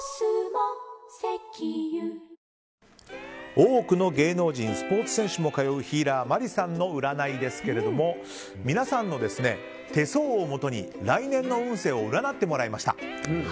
多くの芸能人、スポーツ選手も通うヒーラー、ＭＡＲＩさんの占いですが皆さんの手相をもとに来年の運勢を占ってもらいました。